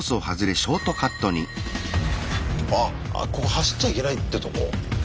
あっここ走っちゃいけないってとこ？